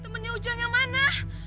temennya ujang yang mana